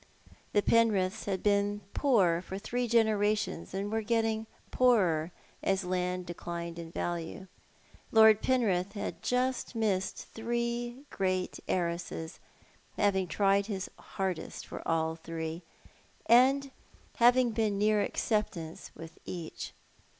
The Penriths had been poor for three generations^ and were getting poorer as land declined in value. Lord Penrith had just missed three great heiresses, having tried his hardest for all three, and having been near acceptance with each.